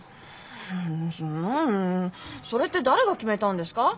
んそんなんそれって誰が決めたんですか？